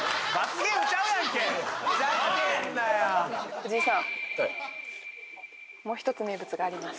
藤井さんもう一つ名物があります